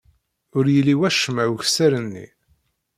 Ur yelli wacemma ukessar-nni.